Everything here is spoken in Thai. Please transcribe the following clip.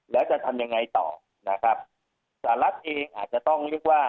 แล้วจะทำยังไงต่อนะครับสหรัฐเองอาจจะต้องเรียกว่า